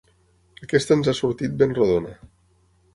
Aquesta ens ha sortit ben rodona.